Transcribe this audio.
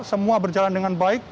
semua berjalan dengan baik